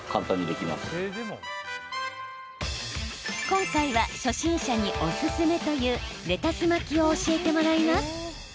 今回は初心者におすすめというレタス巻きを教えてもらいます。